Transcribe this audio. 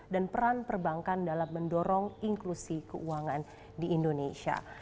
dan peran perbankan dalam mendorong inklusi keuangan di indonesia